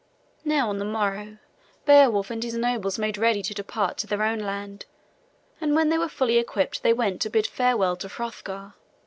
Now on the morrow Beowulf and his nobles made ready to depart to their own land; and when they were fully equipped they went to bid farewell to Hrothgar.